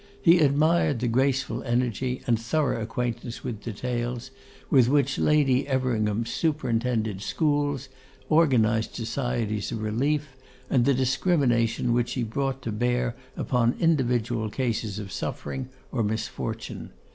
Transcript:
He admired the graceful energy, and thorough acquaintance with details, with which Lady Everingham superintended schools, organised societies of relief, and the discrimination which she brought to bear upon individual cases of suffering or misfortune.